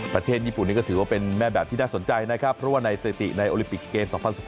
ประเทศญี่ปุ่นนี้ก็ถือว่าเป็นแม่แบบที่น่าสนใจนะครับเพราะว่าในสถิติในโอลิปิกเกม๒๐๑๘